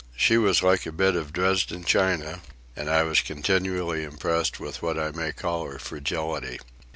She was like a bit of Dresden china, and I was continually impressed with what I may call her fragility.